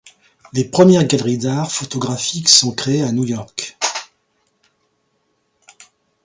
Les premières galeries d'art photographiques sont créées à New York.